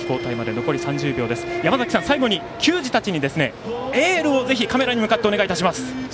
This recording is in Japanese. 山崎さん、最後に球児たちにエールをカメラに向かってお願いします。